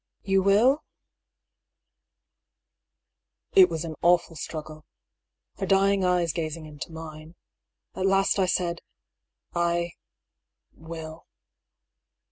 You will ?" It was an awful struggle — her dying eyes gazing into mine. At last I said :« I— will."